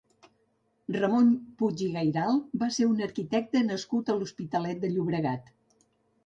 Ramon Puig i Gairalt va ser un arquitecte nascut a l'Hospitalet de Llobregat.